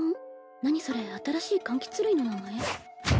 何それ新しい柑橘類の名前？